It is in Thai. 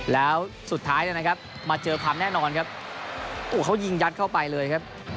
แล้วสุดท้ายนะครับมาเจอภาพแน่นอนครับเขายิงยัดเข้าไปเลยครับ